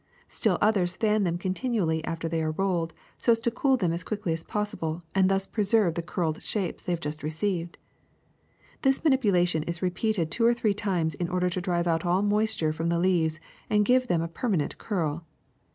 Still others fan them continually after they are rolled, so as to cool them as quickly as possible and thus pre serve the curled shape they have just received. This manipulation is repeated two or three times in order to drive out all moisture from the leaves and give them a permanent curl.